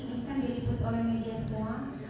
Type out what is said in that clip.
ini kan diliput oleh media semua